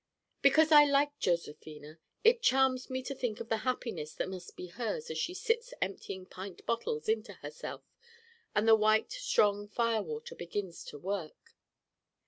Because I like Josephina it charms me to think of the happiness that must be hers as she sits emptying pint bottles into herself and the white strong fire water begins to work.